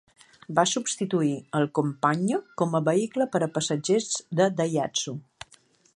Va substituir el Compagno com a vehicle per a passatgers de Daihatsu.